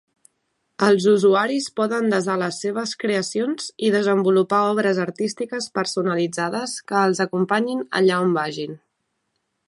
Els usuaris poden desar les seves creacions i desenvolupar obres artístiques personalitzades que els acompanyin allà on vagin.